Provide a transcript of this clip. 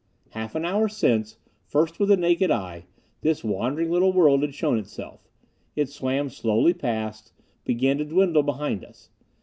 Half an hour since, first with the naked eye, this wandering little world had shown itself; it swam slowly past, began to dwindle behind us.